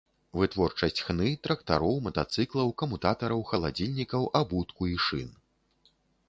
Вытворчасць хны, трактароў, матацыклаў, камутатараў, халадзільнікаў, абутку і шын.